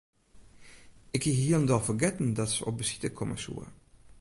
Ik hie hielendal fergetten dat se op besite komme soe.